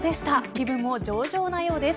気分も上々なようです。